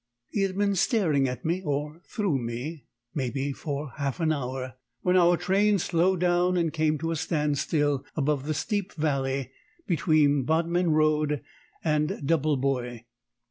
He had been staring at me, or through me, maybe for half an hour, when our train slowed down and came to a standstill above the steep valley between Bodmin Road and Doublebois.